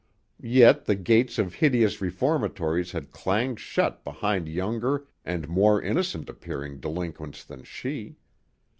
Yet the gates of hideous reformatories had clanged shut behind younger and more innocent appearing delinquents than she.